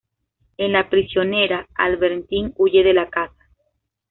En la "Prisionera", Albertine huye de la casa.